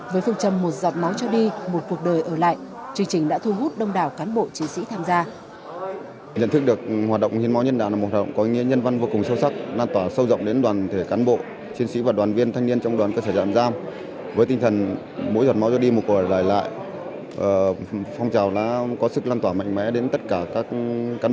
với phương châm một giọt máu cho đi một cuộc đời ở lại chương trình đã thu hút đông đảo cán bộ chiến sĩ tham gia